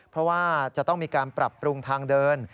เพราะว่าจะต้องมีการปรับปรุงทางเดิน